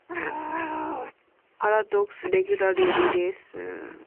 Paradox regularly releases patches to their games long after a game's initial release.